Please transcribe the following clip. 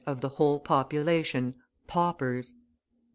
of the whole population paupers!